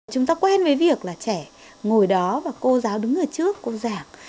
chúng ta quen với việc là trẻ ngồi đó và cô giáo đứng ở trước cô giảng